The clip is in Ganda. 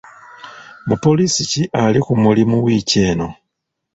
Mupoliisi ki ali ku mulimu wiiki eno?